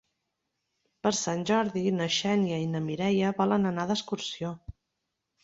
Per Sant Jordi na Xènia i na Mireia volen anar d'excursió.